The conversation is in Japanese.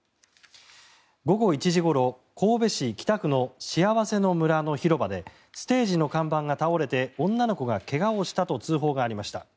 午後１時ごろ、神戸市北区のしあわせの村の広場でステージの看板が倒れて女の子が怪我をしたと通報がありました。